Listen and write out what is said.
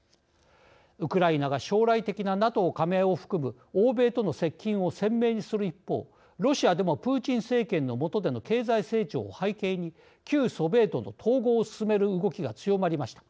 ウクライナが将来的なＮＡＴＯ加盟を含む欧米との接近を鮮明にする一方ロシアでもプーチン政権の下での経済成長を背景に旧ソビエトの統合を進める動きが強まりました。